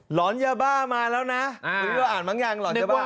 หอนยาบ้ามาแล้วนะหรือเราอ่านบางอย่างหลอนยาบ้า